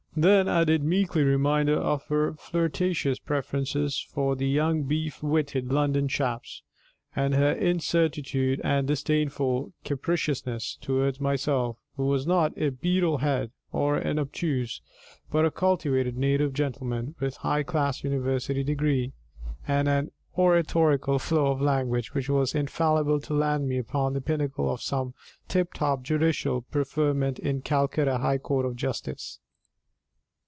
Then I did meekly remind her of her flirtatious preferences for the young beef witted London chaps, and her incertitude and disdainful capriciousness towards myself, who was not a beetlehead or an obtuse, but a cultivated native gentleman with high class university degree, and an oratorical flow of language which was infallibly to land me upon the pinnacle of some tip top judicial preferment in the Calcutta High Court of Justice.